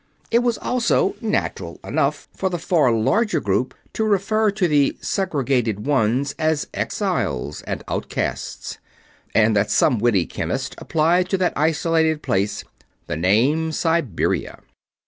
It was also natural enough for the far larger group to refer to the segregated ones as exiles and outcasts; and that some witty chemist applied to that isolated place the name "Siberia."